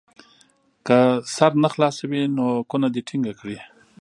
که سر نه خلاصوي نو کونه دې ټینګه کړي.